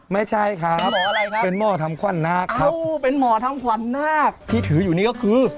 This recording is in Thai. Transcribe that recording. ไม่ใช่ครับเป็นหมอทำควันนาคครับโอ้เป็นหมอทำขวัญนาคที่ถืออยู่นี่ก็คือ